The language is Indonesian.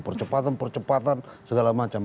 percepatan percepatan segala macam